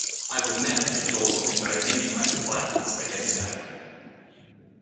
I would never endorse or condone any type of violence against our youth.